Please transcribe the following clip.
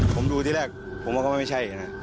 ผมดูที่แรกผมว่าเขาไม่ใช่นะ